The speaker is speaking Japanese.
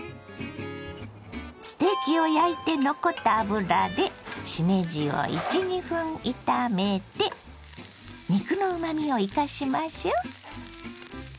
ステーキを焼いて残った油でしめじを１２分炒めて肉のうまみを生かしましょ。